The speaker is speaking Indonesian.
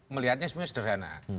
melihatnya sebenarnya sederhana